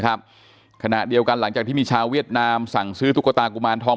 ขณะเดียวกันหลังจากที่มีชาวเวียดนามสั่งซื้อตุ๊กตากุมารทอง